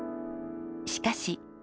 しかし。